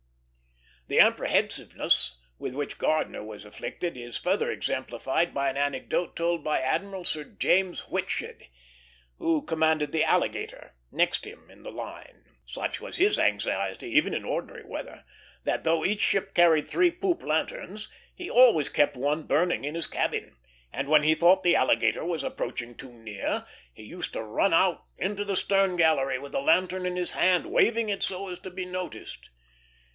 The apprehensiveness with which Gardner was afflicted "is further exemplified by an anecdote told by Admiral Sir James Whitshed, who commanded the Alligator, next him in the line. Such was his anxiety, even in ordinary weather, that, though each ship carried three poop lanterns, he always kept one burning in his cabin, and when he thought the Alligator was approaching too near, he used to run out into the stern gallery with the lantern in his hand, waving it so as to be noticed."